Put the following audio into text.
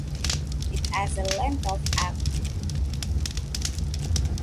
It has a length of app.